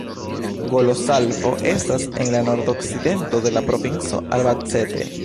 Golosalvo estas en la nordokcidento de la provinco Albacete.